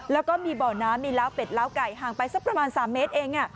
แล้วก็มีบ่อน้ำมีล้าวเป็ดล้าวไก่ห่างไปสักประมาณ๓เมตรเอง